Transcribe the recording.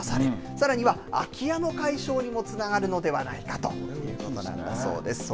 さらには空き家の解消にもつながるのではないかということなんだそうです。